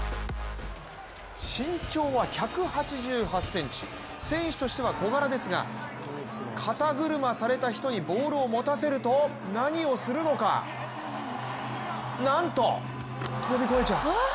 身長は１８８ｃｍ、選手としては小柄ですが肩車された人にボールを持たせると何をするのかなんと、跳び越えちゃう。